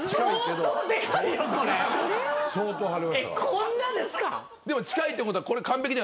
こんなですか！？